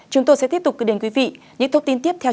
chúng tôi sẽ tiếp tục đến quý vị những thông tin tiếp theo